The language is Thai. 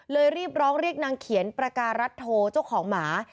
รีบร้องเรียกนางเขียนประการัทโทเจ้าของหมา